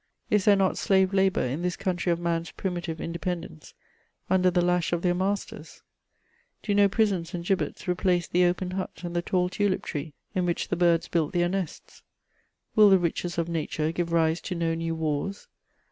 Is there not slave labour in this country of man's primitive independence, under the lash of their masters ? Do no prisons and gibbets replace the open hut and the tall tulip tree in which the birds built their nests ? Will the riches of nature give rise to no new wars